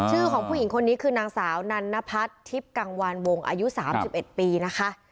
ชื่อของผู้หญิงคนนี้คือนางสาวนันนพัฒน์ทิพย์กังวานวงอายุ๓๑ปีนะคะ